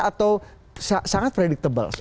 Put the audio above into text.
atau sangat predictable